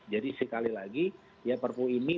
jadi sekali lagi ya perpu ini